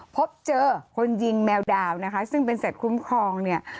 พบเจอคนยิงแมวดาวนะคะซึ่งเป็นสัตว์คุ้มครองเนี่ย